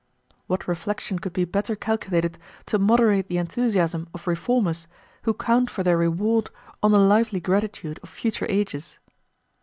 What reflection could be better calculated to moderate the enthusiasm of reformers who count for their reward on the lively gratitude of future ages!